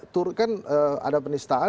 turun kan ada penistaan